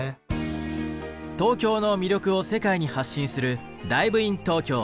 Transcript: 東京の魅力を世界に発信する「ＤｉｖｅｉｎＴｏｋｙｏ」。